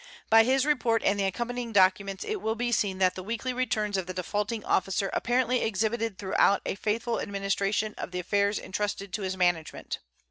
By his report and the accompanying documents it will be seen that the weekly returns of the defaulting officer apparently exhibited throughout a faithful administration of the affairs intrusted to his management.